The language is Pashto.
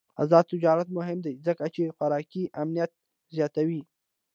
آزاد تجارت مهم دی ځکه چې خوراکي امنیت زیاتوي.